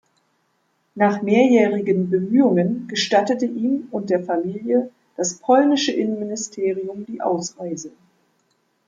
Nach mehrjährigen Bemühungen gestattete ihm und der Familie das polnische Innenministerium die Ausreise.